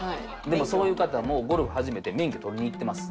でもそういう方もゴルフ始めて免許取りに行ってます。